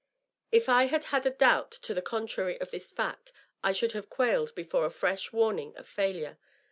If I had had a doubt to the contrary of this fact, I should have ? nailed before a fresh warning of failure.